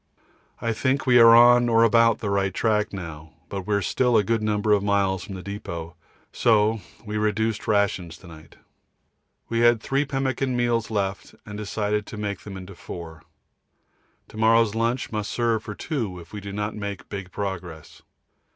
I think we are on or about the right track now, but we are still a good number of miles from the depôt, so we reduced rations to night. We had three pemmican meals left and decided to make them into four. To morrow's lunch must serve for two if we do not make big progress.